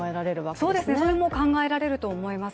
そうですね、それも考えられると思います。